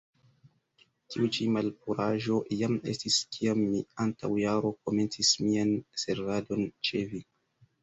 Tiu ĉi malpuraĵo jam estis, kiam mi antaŭ jaro komencis mian servadon ĉe vi.